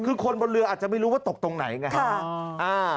คือคนบนเรืออาจจะไม่รู้ว่าตกตรงไหนไง